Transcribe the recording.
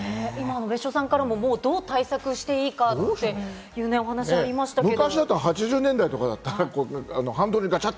別所さんからもどう対策していいかというお話ありましたけれども。